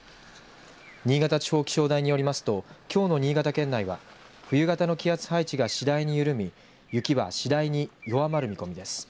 新潟地方気象台によりますときょうの新潟県内は冬型の気圧配置が次第に緩み雪は次第に弱まる見込みです。